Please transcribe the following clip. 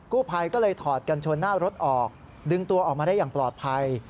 ผู้ภัยก็เลยถอดกันชนหน้ารถออกดึงตัวออกมาได้อย่างปลอดภัย